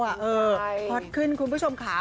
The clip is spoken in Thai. เออคอมเมนต์ขึ้นคุณผู้ชมขา